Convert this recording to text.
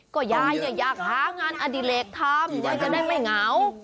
ก็ยายเนี่ยอยากหางานอดิเลกทำยายจะได้ไม่เหงา